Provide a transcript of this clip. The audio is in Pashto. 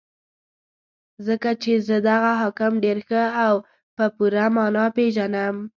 ځکه چې زه دغه حاکم ډېر ښه او په پوره مانا پېژنم.